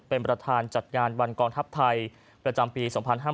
เป็นประธานจัดงานวันกองทัพไทยประจำปี๒๕๕๙